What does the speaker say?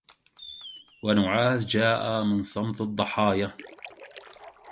ونعاس جاء من صمت الضحايا